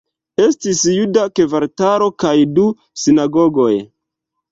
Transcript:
Estis juda kvartalo kaj du sinagogoj.